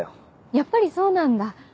やっぱりそうなんだ。